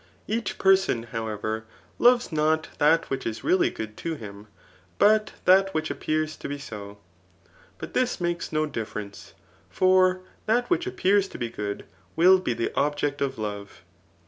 Each person^ However, loves not that which is really good to him, but that which appears to be so. But this makes no diflference ; for that which appears to he gbod, will be the object of love.